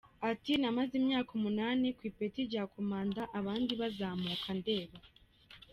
Ati “Namaze imyaka umunani ku ipeti rya komanda abandi bazamuka ndeba.”